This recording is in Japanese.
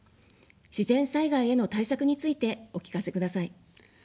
自然災害への対策についてお聞かせください。